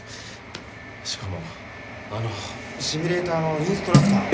しかもあのシミュレーターのインストラクター！